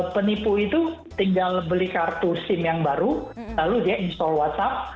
penipu itu tinggal beli kartu sim yang baru lalu dia install whatsapp